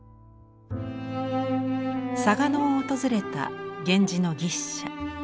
嵯峨野を訪れた源氏の牛車。